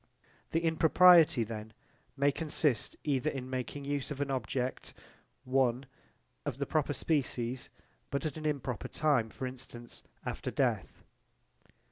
The impropriety then may consist either in making use of an object Of the proper species but at an improper time: for instance, after death.